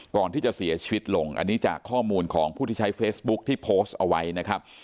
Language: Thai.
ก่อนที่จะเสียชีวิตลงอันนี้จากข้อมูลของผู้ที่ใช้เฟซบุ๊คที่โพสต์เอาไว้นะครับ